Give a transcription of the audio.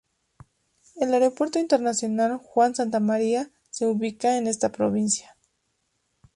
El Aeropuerto Internacional Juan Santamaría se ubica en esta provincia.